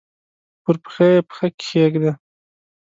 پر پښه یې پښه کښېږده!